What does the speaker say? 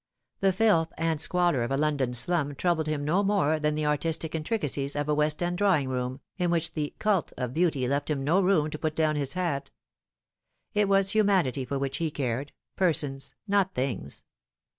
The filth and squalor of a London slum troubled him no more than the artistic intricacies of a West End drawing room, in which the cult of beauty left him no room to put down his hat. It was humanity for which he cared persons, not things.